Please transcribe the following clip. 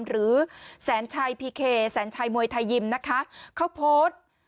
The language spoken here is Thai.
หรือแสนชัยพีเคแสนชัยมวยไทยยิมนะคะเขาโพสต์